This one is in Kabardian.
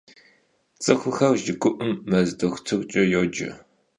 Ts'ıxuxer jjıgıu'um mez doxutırç'e yoce.